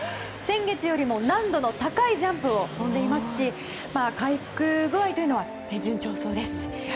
先月よりも難度の高いジャンプを跳んでいますし回復具合というのは順調そうです。